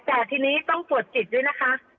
แต่ทีนี้ต้องตรวจจิตด้วยนะคะ